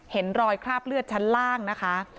เห็นรอยคราบเลือดชั้นล่างนะคะ